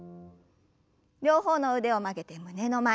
両方の腕を曲げて胸の前に。